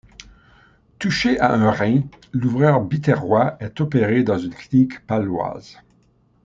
Touché à un rein, l'ouvreur biterrois est opéré dans une clinique paloise.